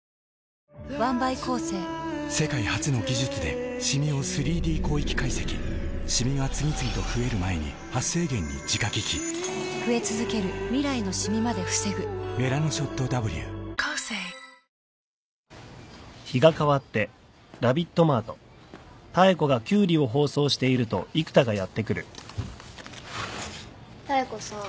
世界初の技術でシミを３Ｄ広域解析シミが次々と増える前に「メラノショットＷ」妙子さん。